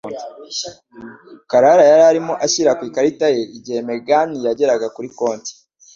Clara yarimo ashyira ku ikarita ye igihe Megan yegeraga kuri konti.